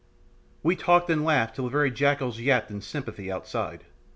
We talked and laughed till the very jackals yapped in sympathy outside.